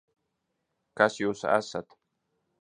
Kas jūs esat?